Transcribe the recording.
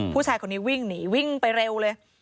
ผู้ชายคนนี้วิ่งหนีวิ่งไปเร็วเลย